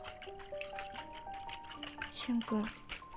瞬君。